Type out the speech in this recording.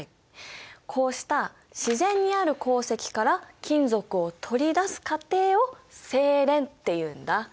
こうした自然にある鉱石から金属を取り出す過程を製錬っていうんだ。